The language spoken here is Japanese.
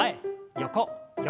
横横。